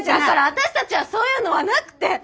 だから私たちはそういうのはなくて。